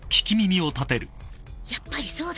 やっぱりそうだ。